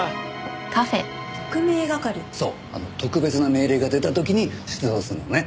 特別な命令が出た時に出動するのね。